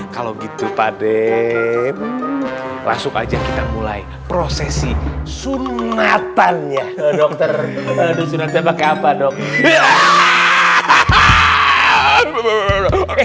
kalau gitu pade langsung aja kita mulai prosesi sunatannya dokter